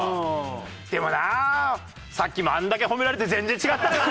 でもなさっきもあれだけ褒められて全然違ったからな。